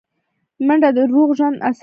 منډه د روغ ژوند اساس ده